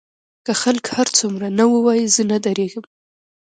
که خلک هر څومره نه ووايي زه نه درېږم.